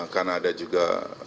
karena ada juga